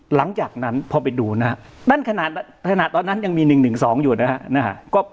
หลังจากนั้นพอไปดูนะฮะด้านขณะตอนนั้นยังมีหนึ่งสองอยู่นะฮะ